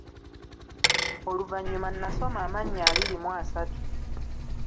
Oluvanyuma nasoma amannya abiri mu asatu.